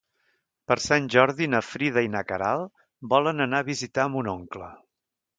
Per Sant Jordi na Frida i na Queralt volen anar a visitar mon oncle.